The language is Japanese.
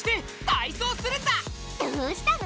どうしたの？